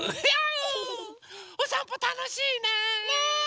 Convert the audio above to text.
おさんぽたのしいね！ね！